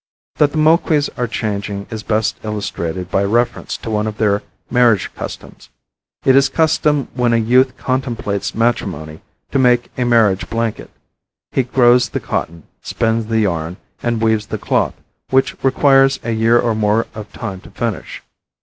That the Moquis are changing is best illustrated by reference to one of their marriage customs. It is the custom when a youth contemplates matrimony to make a marriage blanket. He grows the cotton, spins the yarn and weaves the cloth, which requires a year or more of time to finish.